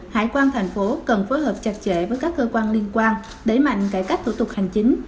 hải quan thành phố cần phối hợp chặt chẽ với các cơ quan liên quan đẩy mạnh cải cách thủ tục hành chính